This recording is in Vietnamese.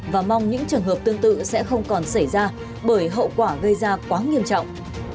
và mong những trường hợp tương tự sẽ không còn xảy ra bởi hậu quả gây ra quá nghiêm trọng